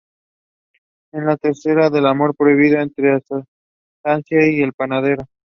En la tercera el amor prohibido entre Anastasia y el panadero.